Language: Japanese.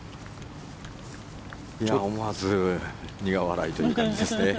思わず苦笑いという感じですね。